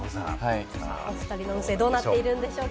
さあ、おふたりの運勢はどうなっているんでしょうか？